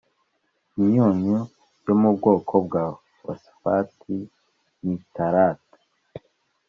imyunyu yo mu bwoko bwa fosifati nitarati